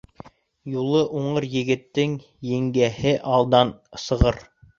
Юлы уңыр егеттең еңгәһе алдан сығыр.